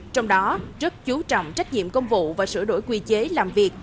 trong đó rất chú trọng trách nhiệm công vụ và sửa đổi quy chế làm việc